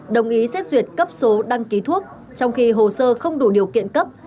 đồng ý xét duyệt cấp số đăng ký thuốc trong khi hồ sơ không đủ điều kiện cấp